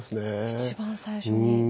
一番最初に。